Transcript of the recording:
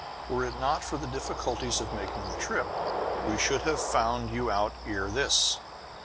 Were it not for the difficulties of making the trip, we should have found you out ere this."